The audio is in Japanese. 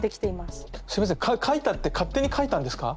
すいません書いたって勝手に書いたんですか？